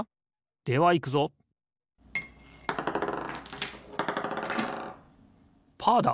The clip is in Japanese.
ではいくぞパーだ！